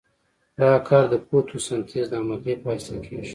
دا کار د فوتو سنتیز د عملیې په واسطه کیږي.